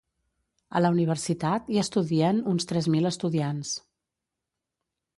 A la universitat, hi estudien uns tres mil estudiants.